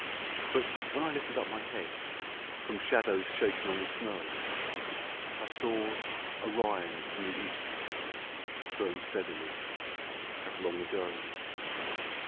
But when I lifted up my head From shadows shaken on the snow, I saw Orion in the east Burn steadily as long ago.